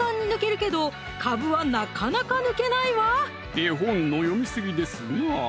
絵本の読みすぎですなぁ